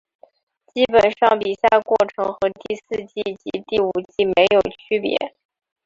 基本上比赛过程和第四季及第五季没有分别。